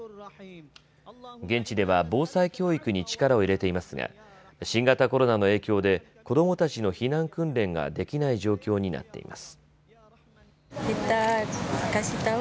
現地では防災教育に力を入れていますが新型コロナの影響で子どもたちの避難訓練ができない状況になっています。